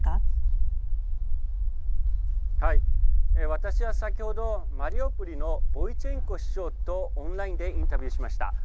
私は先ほどマリウポリのボイチェンコ市長とオンラインでインタビューしました。